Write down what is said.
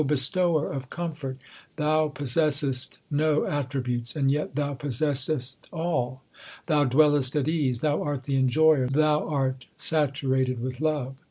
Bestower of comfort, Thou possessest no attributes, and yet Thou possessest all. 2 Thou dwellest at ease ; Thou art the Enjoyer ; Thou art saturated with love.